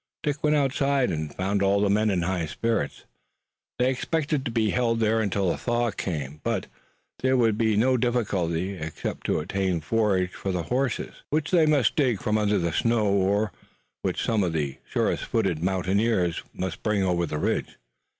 Dick went outside and found all the men in high spirits. They expected to be held there until a thaw came, but there would be no difficulty, except to obtain forage for the horses, which they must dig from under the snow, or which some of the surest footed mountaineers must bring over the ridge.